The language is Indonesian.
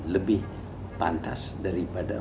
lebih pantas daripada